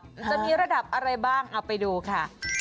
จะมีระดับอะไรบ้างเอาไปดูค่ะ